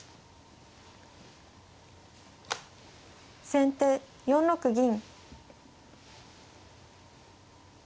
先手４六銀。